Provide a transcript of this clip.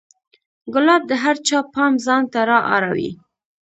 ګلاب د هر چا پام ځان ته را اړوي.